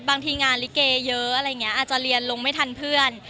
บางทีงานลิเกเยอะอะไรอย่างนี้อาจจะเรียนลงไม่ทันเพื่อน